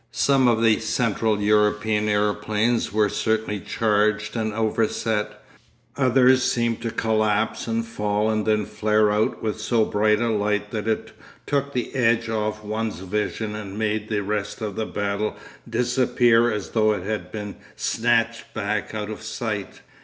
Some of the Central European aeroplanes were certainly charged and overset; others seemed to collapse and fall and then flare out with so bright a light that it took the edge off one's vision and made the rest of the battle disappear as though it had been snatched back out of sight.